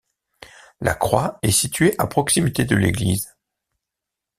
La croix est située à proximité de l'église.